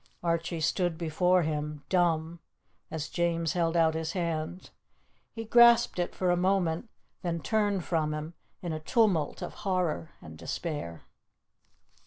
Archie stood before him, dumb, as James held out his hand. He grasped it for a moment, and then turned from him in a tumult of horror and despair.